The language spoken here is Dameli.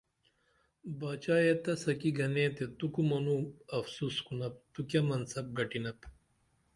باچائے تس کی گنئے تے تو کو منو افسُس کُنپ تو کیہ منصب گٹینپ